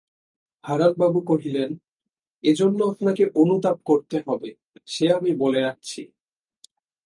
হারানবাবু কহিলেন, এজন্যে আপনাকে অনুতাপ করতে হবে– সে আমি বলে রাখছি।